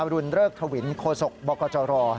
อรุณเริคถวินโคศกบลจร